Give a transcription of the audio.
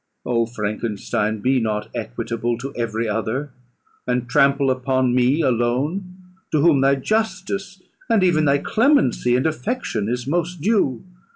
Oh, Frankenstein, be not equitable to every other, and trample upon me alone, to whom thy justice, and even thy clemency and affection, is most due.